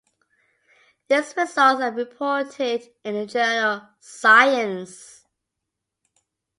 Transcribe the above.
These results are reported in the journal "Science".